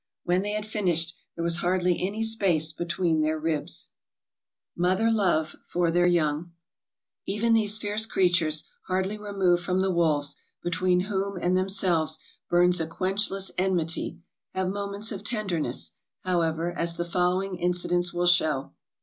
When they had finished, there was hardly any space between their ribs." 510 TRAVELERS AND EXPLORERS Mother Love for Their Young Even these fierce creatures, hardly removed from the wolves, between whom and themselves burns a quenchless enmity, have moments of tenderness, however, as the following incidents will show.